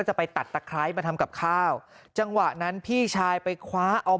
จะไปตัดตะไคร้มาทำกับข้าวจังหวะนั้นพี่ชายไปคว้าเอา